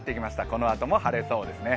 このあとも晴れそうですね。